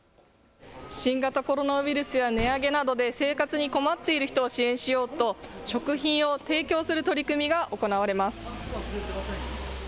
新型コロナウイルスや値上げなどで生活に困っている人を支援しようと食品を提供する取り組みが行われます。